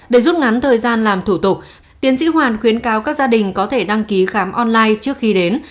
để rút ngắn thời gian làm thủ tục tiến sĩ hoàn khuyến cáo các gia đình có thể đăng ký khám online trước khi đến